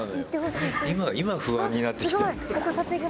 今、不安になってきたよ。